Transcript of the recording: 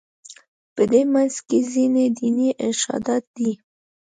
په دې منځ کې ځینې دیني ارشادات دي.